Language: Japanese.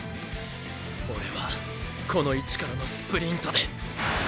オレはこの位置からのスプリントで。